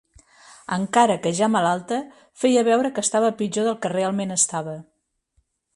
Encara que ja malalta, feia veure que estava pitjor del que realment estava.